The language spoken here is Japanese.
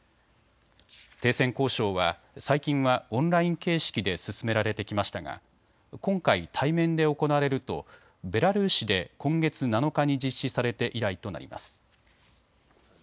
停戦交渉は最近はオンライン形式で進められてきましたが今回、対面で行われるとベラルーシで今月７日に実施されて以来となります。